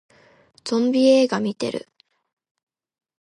ゾンビ映画見てる